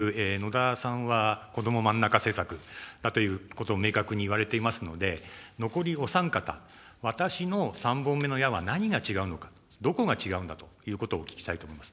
この三本目の矢については、恐らく野田さんは、子ども真ん中政策だということを明確に言われていますので、残りお三方、私の三本目の矢は何が違うのか、どこが違うのかということをお聞きしたいと思います。